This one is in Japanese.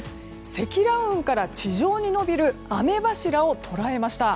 積乱雲から地上に延びる雨柱を捉えました。